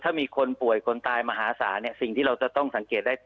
ถ้ามีคนป่วยคนตายมหาศาลเนี่ยสิ่งที่เราจะต้องสังเกตได้